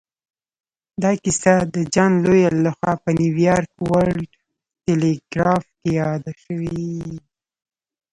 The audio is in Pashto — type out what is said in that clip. دا کیسه د جان لویل لهخوا په نیویارک ورلډ ټیليګراف کې یاده شوې